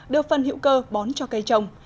đưa phân hữu cơ bón cho cây trồng